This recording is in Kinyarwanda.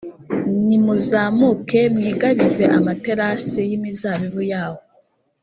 nimuzamuke mwigabize amaterasi y’ imizabibu yahoo.